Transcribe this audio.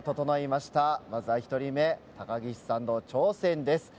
まずは１人目高岸さんの挑戦です。